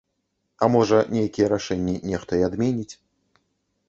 А можа, нейкія рашэнні нехта і адменіць.